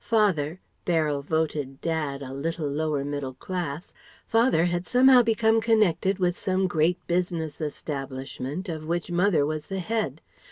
Father Beryl voted "Dad" a little lower middle class Father had somehow become connected with some great business establishment of which Mother was the head.